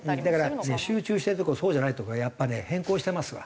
だから集中してるとことそうじゃないとこがやっぱね偏向してますわ。